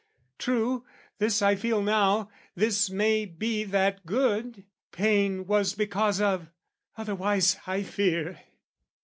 "True, this I feel now, this may be that good, "Pain was because of, otherwise, I fear!"